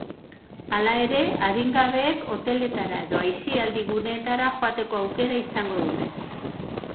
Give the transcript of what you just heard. Hala ere, adingabeek hoteletara edo aisialdi guneetara joateko aukera izango dute.